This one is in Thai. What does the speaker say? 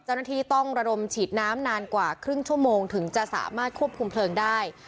เจ้าหน้าที่ต้องระดมฉีดน้ำนานกว่าครึ่งชั่วโมงถึงจะสามารถควบคุมเพลิงได้